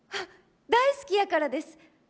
大好きやからです。